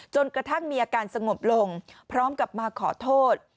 จนกระทั่งมีอาการสงบลงพร้อมกับมาขอโทษ